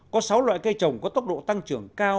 có sáu loại cây trồng có tốc độ tăng trưởng cao